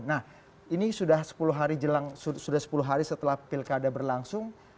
nah ini sudah sepuluh hari setelah pilkada berlangsung